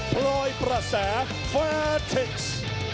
พลอยประแสแฟร์เทคซ์